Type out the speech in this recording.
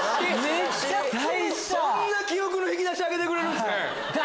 そんな記憶の引き出し開けてくれるんすね。